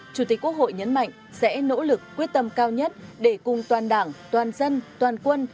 chủ tịch quốc hội nhấn mạnh sẽ nỗ lực quyết tâm cao nhất để cùng toàn đảng toàn dân toàn quân